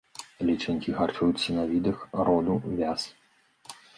Лічынкі харчуюцца на відах роду вяз.